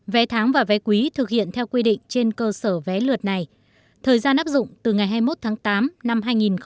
vé tháng và vé quý thực hiện theo quy định trên cơ sở vé lượt này thời gian áp dụng từ ngày hai mươi một tháng tám năm hai nghìn một mươi chín